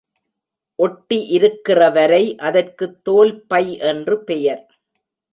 ஒட்டி இருக்கிறவரை அதற்கு தோல்பை என்று பெயர்.